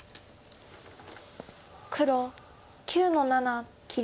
黒９の七切り。